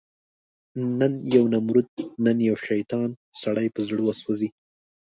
نن یو نمرود، نن یو شیطان، سړی په زړه وسوځي